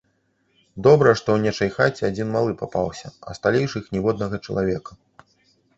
Добра, што ў нечай хаце адзін малы папаўся, а сталейшых ніводнага чалавека.